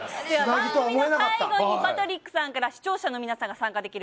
最後にパトリックさんから視聴者の皆さんが参加できる。